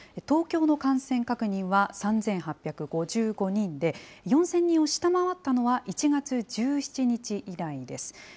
東京の感染確認は３８５５人で、４０００人を下回ったのは、１月１７日以来です。